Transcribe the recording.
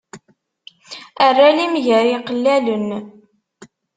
Err alim gar iqellalen.